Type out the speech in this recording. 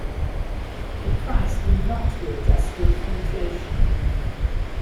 The price will not be adjusted for inflation.